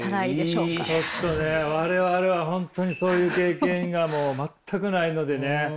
ちょっとね我々は本当にそういう経験がもう全くないのでね。